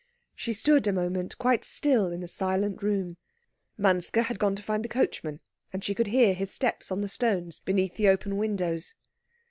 She stood a moment quite still in the silent room. Manske had gone to find the coachman, and she could hear his steps on the stones beneath the open windows.